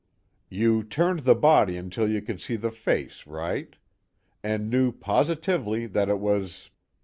You turned the body until you could see the face, right? And knew positively that it was